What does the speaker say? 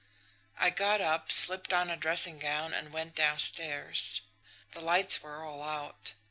I got up, slipped on a dressing gown, and went downstairs. The lights were all out.